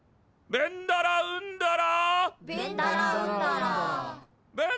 ベンダラウンダラ。